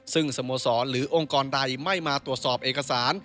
ซึ่งสโมสรหรือองค์กรใดไม่มาตรวจสอบเอกสาร